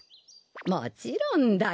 もちろんだよ。